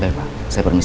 baik pak saya permisi